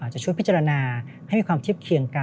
จะช่วยพิจารณาให้มีความเทียบเคียงกัน